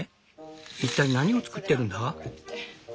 一体何を作ってるんだ？